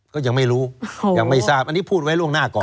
ก็ยังไม่รู้ยังไม่ทราบอันนี้พูดไว้ล่วงหน้าก่อน